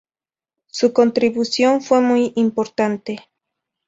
Su contribución fue muy importante.